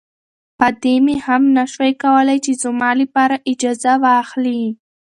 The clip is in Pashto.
ادې مې هم نه شوای کولی چې زما لپاره اجازه واخلي.